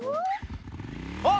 あっ！